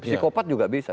psikopat juga bisa